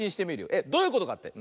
えっどういうことかって？